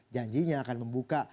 janjinya akan membuka